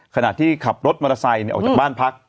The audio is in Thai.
ขณะที่ขับรถมอเตอร์ไซค์ออกจากบ้านพัก